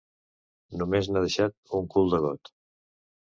Només n'ha deixat un cul de got.